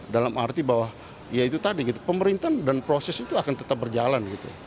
dalam arti bahwa ya itu tadi gitu pemerintahan dan proses itu akan tetap berjalan gitu